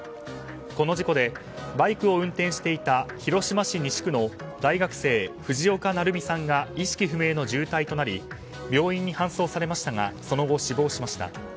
この事故でバイクを運転していた広島市西区の大学生藤岡成巳さんが意識不明の重体となり病院に搬送されましたがその後、死亡しました。